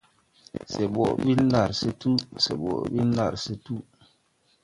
Se ɓoʼ ɓil ndar se tuu, se ɓoʼ ɓil ndar se tuu.